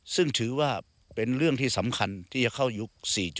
ซึ่งถือว่าเป็นเรื่องที่สำคัญที่จะเข้ายุค๔๗